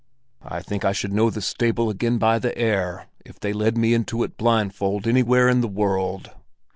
I think I should know this stable again by the air, if they led me into it blindfold anywhere in the world."